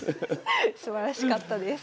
すばらしかったです。